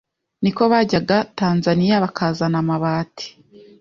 niko bajyaga Tanzania bakazana amabati